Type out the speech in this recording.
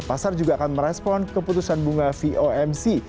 pasar juga akan merespon keputusan bunga vomc